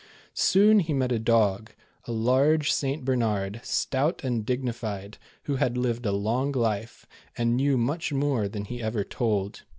Soon he met a dog, a large St. Bernard, stout and dignified, who had lived a long life, and knew much more than he ever told.